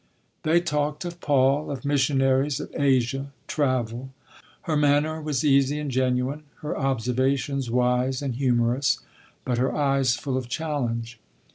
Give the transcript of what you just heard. ... They talked of Paul, of missionaries, of Asia, travel. Her manner was easy and genuine, her observations wise and humorous, but her eyes full of challenge.